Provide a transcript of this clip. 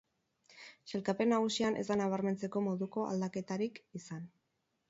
Sailkapen nagusian ez da nabarmentzeko moduko aldaketarik izan.